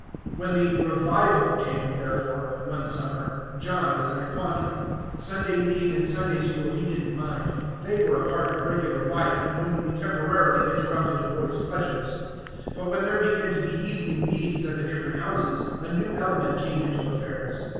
When the "revival" came, therefore, one summer, John was in a quandary. Sunday meeting and Sunday school he did n't mind; they were a part of regular life, and only temporarily interrupted a boy's pleasures. But when there began to be evening meetings at the different houses, a new element came into affairs.